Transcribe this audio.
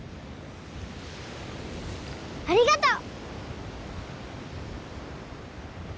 ありがとう！